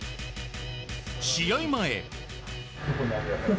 試合前。